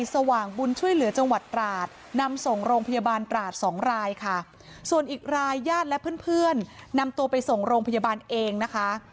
สว่างบุญช่วยเหลือจังหวัดตราดนำส่งโรงพยาบาลตราดสองรายค่ะส่วนอีกรายญาติและเพื่อนเพื่อนนำตัวไปส่งโรงพยาบาลเองนะคะ